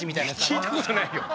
聞いたことないよ。